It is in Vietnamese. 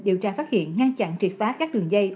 điều tra phát hiện ngăn chặn triệt phá các đường dây